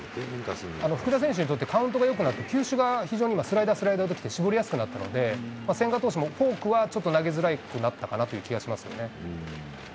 福田選手にとって、カウントがよくなると、球種が非常に今、スライダー、スライダーと来て、絞りやすくなったので、千賀投手もフォークはちょっと投げづらくなったかなという気がしますよね。